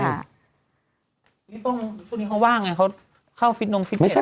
นี่ป้องพวกนี้เขาว่าไงเขาเข้าฟิตนมฟิตเน็ต